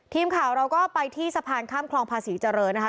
ทีมข่าวเราก็ไปที่สะพานข้ามคลองภาษีเจริญนะคะ